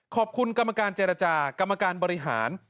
ขอบคุณกรรมการเจรจากรรมการบริหาร